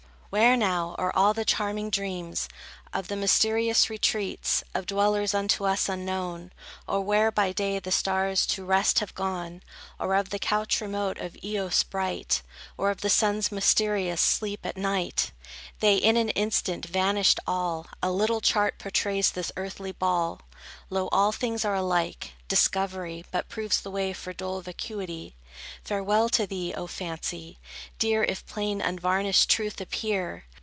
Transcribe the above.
Where now are all the charming dreams Of the mysterious retreats Of dwellers unto us unknown, Or where, by day, the stars to rest have gone, Or of the couch remote of Eos bright, Or of the sun's mysterious sleep at night? They, in an instant, vanished all; A little chart portrays this earthly ball. Lo, all things are alike; discovery But proves the way for dull vacuity. Farewell to thee, O Fancy, dear, If plain, unvarnished truth appear!